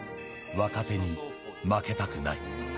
若手に負けたくない。